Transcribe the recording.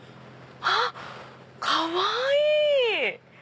あっかわいい！